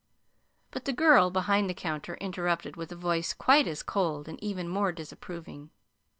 But the girl behind the counter interrupted with a voice quite as cold, and even more disapproving.